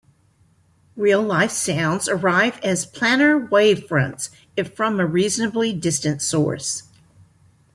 Real-life sounds arrive as planar wavefronts, if from a reasonably distant source.